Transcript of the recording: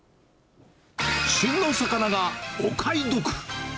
旬の魚がお買い得。